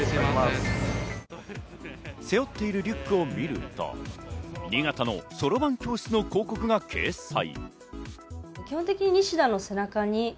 背負っているリュックを見ると新潟のそろばん教室の広告が掲載。